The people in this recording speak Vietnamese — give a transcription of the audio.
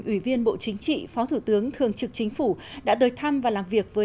ủy viên bộ chính trị phó thủ tướng thường trực chính phủ đã tới thăm và làm việc với